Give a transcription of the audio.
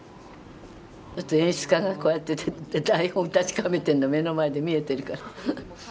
だって演出家がこうやって台本確かめてるの目の前で見えてるから。